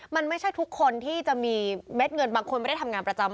มันไม่ใช่ทุกคนที่จะมีเม็ดเงินบางคนไม่ได้ทำงานประจำ